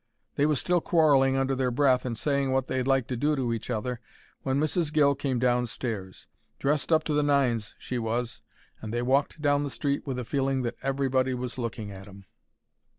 They was still quarrelling under their breath and saying wot they'd like to do to each other when Mrs. Gill came downstairs. Dressed up to the nines she was, and they walked down the street with a feeling that everybody was looking at em.